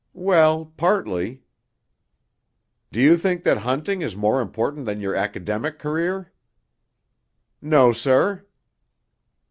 "Well, partly." "Do you think that hunting is more important than your academic career?" "No, sir."